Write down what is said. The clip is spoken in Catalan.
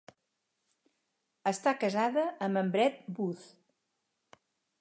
Està casada amb en Brett Booth.